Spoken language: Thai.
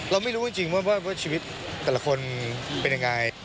เราไม่รู้จริงว่าชีวิตแต่ละคนเป็นยังไง